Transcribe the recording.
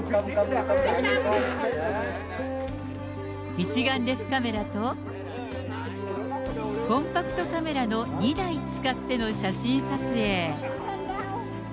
一眼レフカメラとコンパクトカメラの２台使っての写真撮影。